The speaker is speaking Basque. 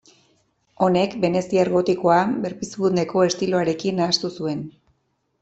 Honek veneziar gotikoa berpizkundeko estiloarekin nahastu zuen.